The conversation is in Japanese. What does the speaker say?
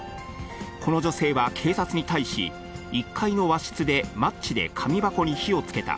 この女性は警察に対し、１階の和室でマッチで紙箱に火をつけた。